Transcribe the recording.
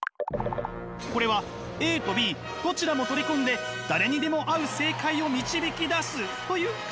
これはＡとＢどちらも取り込んで誰にでも合う正解を導き出すという考え方。